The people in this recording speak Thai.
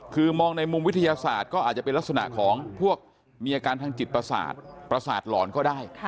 คือมองในมุมวิทยาศาสตร์ก็อาจจะเป็นลักษณะของพวกมีอาการทางจิตประสาทประสาทหลอนก็ได้